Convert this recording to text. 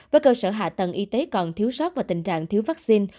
với cơ sở hạ tầng y tế còn thiếu sót và tình trạng thiếu vaccine